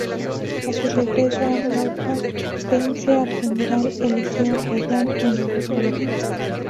A su regreso al Cauca vence al general Eliseo Payán en La Honda.